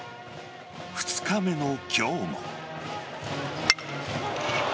２日目の今日も。